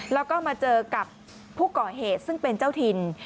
แล้วก็มาเจอกับผู้ก่อเหตุซึ่งเป็นเจ้าถิ่น